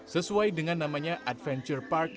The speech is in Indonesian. sesuai dengan namanya adventure park